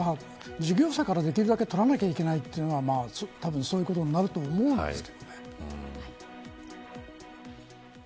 ここは、もちろん事業者からできるだけ取らなきゃいけないのがたぶん、そういうことになると思うんですけどね。